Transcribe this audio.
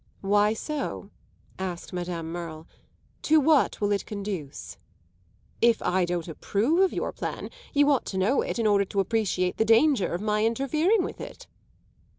"Why so?" asked Madame Merle. "To what will it conduce?" "If I don't approve of your plan you ought to know it in order to appreciate the danger of my interfering with it."